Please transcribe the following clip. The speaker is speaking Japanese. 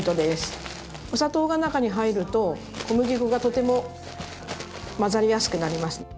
お砂糖が中に入ると小麦粉がとても混ざりやすくなります。